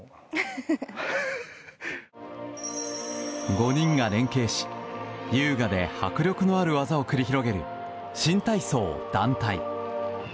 ５人が連係し優雅で迫力のある技を繰り広げる新体操団体。